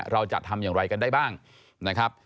เราจะทำอย่างไรกันได้บ้างนะครับ